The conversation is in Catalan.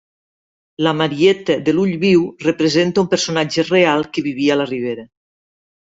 La Marieta de l'Ull Viu representa un personatge real que vivia a la Ribera.